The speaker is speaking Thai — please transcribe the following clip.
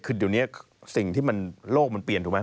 คือเดี๋ยวนี้สิ่งที่โลกมันเปลี่ยนถูกไหม